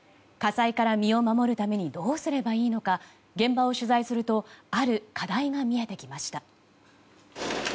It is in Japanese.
火災から身を守るためにどうすればいいのか現場を取材するとある課題が見えてきました。